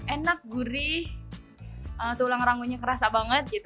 enak gurih tulang rangunya kerasa banget gitu